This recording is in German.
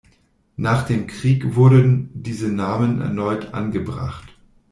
Nach dem Krieg wurden diese Namen erneut angebracht.